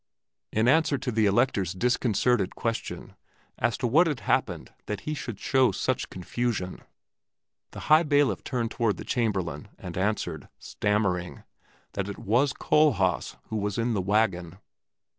In answer to the Elector's disconcerted question as to what had happened that he should show such confusion, the High Bailiff turned toward the Chamberlain and answered, stammering, that it was Kohlhaas who was in the wagon.